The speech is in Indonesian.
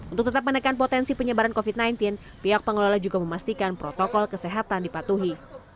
untuk tetap menekan potensi penyebaran covid sembilan belas pihak pengelola juga memastikan protokol kesehatan dipatuhi